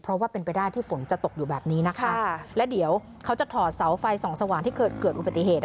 เพราะว่าเป็นไปได้ที่ฝนจะตกอยู่แบบนี้นะคะและเดี๋ยวเขาจะถอดเสาไฟส่องสว่างที่เกิดเกิดอุบัติเหตุ